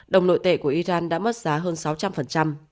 đồng nội tệ của iran đã mất giá hơn sáu trăm linh